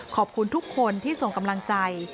ขอบคุณทุกคนที่ส่งกำลังใจ